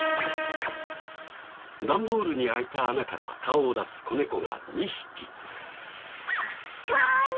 段ボールに開いた穴から顔を出す子猫が２匹。